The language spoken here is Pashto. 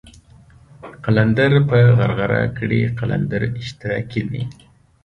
قلندر په غرغره کړئ قلندر اشتراکي دی.